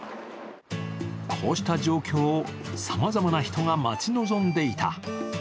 こうした状況をさまざまな人が待ち望んでいた。